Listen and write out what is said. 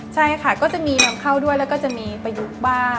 ใช่ค่ะก็จะมีนำเข้าด้วยแล้วก็จะมีประยุกต์บ้าง